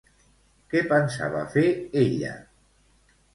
Què pensava fer ella?